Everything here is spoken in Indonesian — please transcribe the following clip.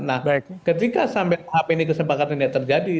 nah ketika sampai hape ini kesepakatan tidak terjadi